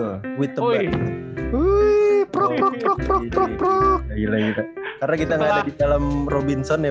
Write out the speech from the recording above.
wih wih prok prok prok prok prok gila kita karena kita nggak ada di dalam robinson ya